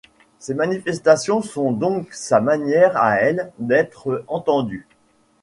Ses manifestations sont donc sa manière à elle d’être entendue.